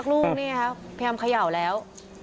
คือพยายามขย่าว